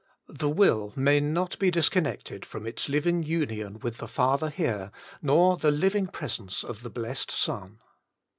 7. The will may not be disconnected from its living union with the Father here, nor the living presence of the Blessed Son.